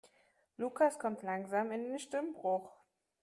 Lukas kommt langsam in den Stimmbruch.